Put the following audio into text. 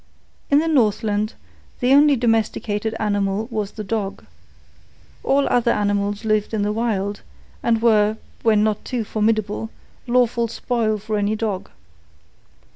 In the Northland, the only domesticated animal was the dog. All other animals lived in the Wild, and were, when not too formidable, lawful spoil for any dog.